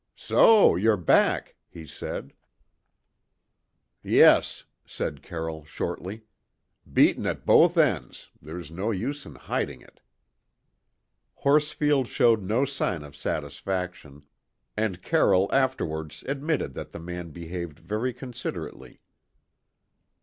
"So you're back," he said. "Yes," said Carroll shortly. "Beaten at both ends there's no use in hiding it." Horsfield showed no sign of satisfaction, and Carroll afterwards admitted that the man behaved very considerately.